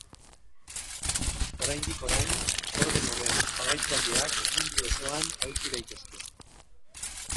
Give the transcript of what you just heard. Oraindik-orain orden horren jarraitzaileak mundu osoan aurki daitezke.